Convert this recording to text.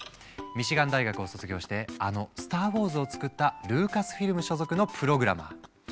ミシガン大学を卒業してあの「スター・ウォーズ」を作ったルーカスフィルム所属のプログラマー。